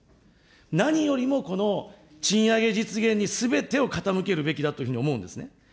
何よりもこの賃上げ実現にすべてを傾けるべきだというふうに思うんですね。